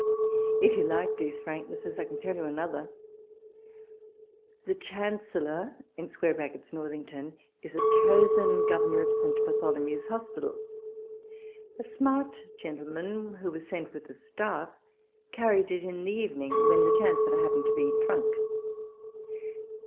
If you like these franknesses, I can tell you another. The Chancellor [NorthingtouJ is a chosen governor of St. Bartholomew's Hospital: a smart gentle man, who was sent with the staff, carried it in the evening, when the Chancellor happened to be drunk.